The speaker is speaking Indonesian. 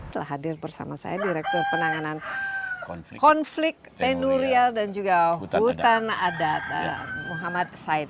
telah hadir bersama saya direktur penanganan konflik tenurial dan juga hutan adat muhammad said